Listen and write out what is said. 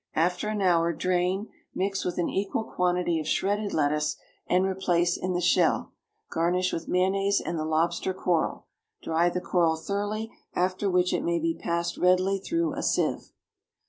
After an hour drain, mix with an equal quantity of shredded lettuce, and replace in the shell. Garnish with mayonnaise and the lobster coral. Dry the coral thoroughly, after which it may be passed readily through a sieve.